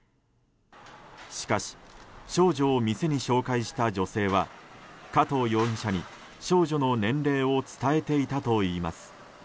しかし、少女を店に紹介した女性は加藤容疑者に少女の年齢を伝えていたといいます。